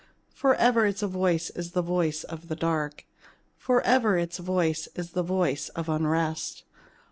Forever its voice is a voice of the dark, Forever its voice is a voice of unrest.